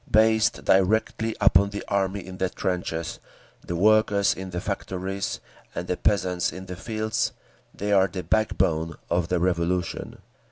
Based directly upon the army in the trenches, the workers in the factories, and the peasants in the fields, they are the backbone of the Revolution.